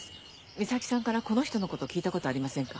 美咲さんからこの人のこと聞いたことありませんか？